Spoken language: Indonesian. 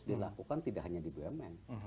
dilakukan tidak hanya di bumn